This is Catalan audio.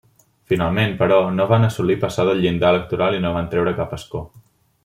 Finalment, però, no van assolir passar del llindar electoral i no van treure cap escó.